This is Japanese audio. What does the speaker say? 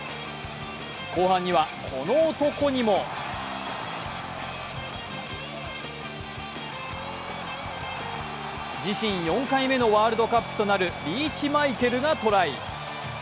後半にはこの男にも自身４回目のワールドカップとなるリーチマイケルがトライ。